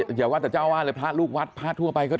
เดี๋ยววาทเจ้าอาวาทค่ะพระรูปวัดพระทั่วไป